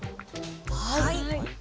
はい。